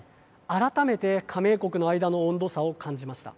改めて加盟国の間の温度差を感じました。